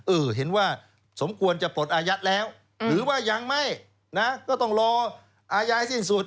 เออเห็นว่าสมควรจะปลดอายัดแล้วหรือว่ายังไม่นะก็ต้องรออายายสิ้นสุด